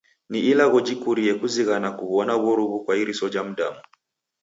Ni ilagho jikurie kuzighana kuw'one w'oruw'u kwa iriso ja m'damu.